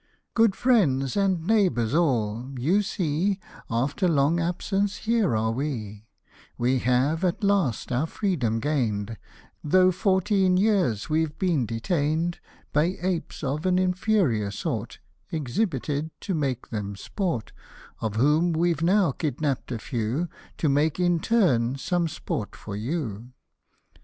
"Good friends and neighbours all: you see After long absence here are we : We have at last our freedom gain'd, Though fourteen years we've been detain'd, By apes of an inferior sort Exhibited, to make them sport ; Of whom we've now kidnapp'd a few, To make in turn some sport for you.